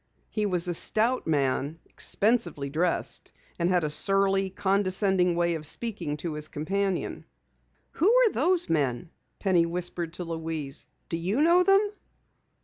He was a stout man, expensively dressed, and had a surly, condescending way of speaking to his companion. "Who are those men?" Penny whispered to Louise. "Do you know them?"